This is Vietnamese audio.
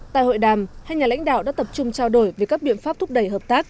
tại hội đàm hai nhà lãnh đạo đã tập trung trao đổi về các biện pháp thúc đẩy hợp tác